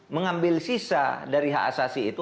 mengambil sisa dari hak asasi itu